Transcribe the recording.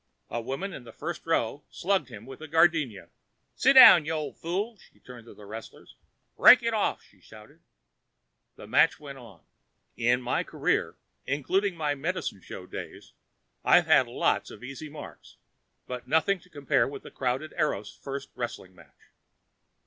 A woman in the first row slugged him with a gardenia. "Sit down, you old fool!" She turned to the wrestlers. "Break it off!" she shouted. The match went on. In my career, including my medicine show days, I've had lots of easy marks, but nothing to compare to the crowd at Eros' first wrestling match.